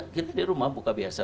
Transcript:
kita di rumah buka biasa